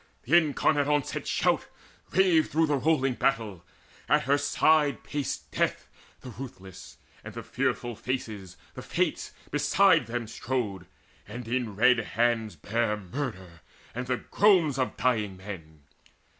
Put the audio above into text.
The incarnate Onset shout Raved through the rolling battle; at her side Paced Death the ruthless, and the Fearful Faces, The Fates, beside them strode, and in red hands Bare murder and the groans of dying men.